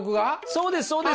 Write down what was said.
そうです。